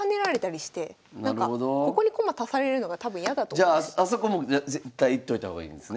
じゃああそこも絶対いっといた方がいいんですね。